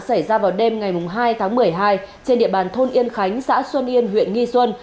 xảy ra vào đêm ngày hai tháng một mươi hai trên địa bàn thôn yên khánh xã xuân yên huyện nghi xuân